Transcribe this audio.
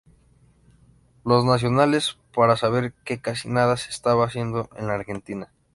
Los nacionales, para saber que casi nada se estaba haciendo en la Argentina.